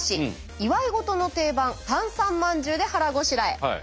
祝い事の定番たんさんまんじゅうで腹ごしらえ。